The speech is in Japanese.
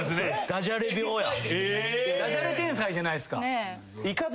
ダジャレ天才じゃないっすか。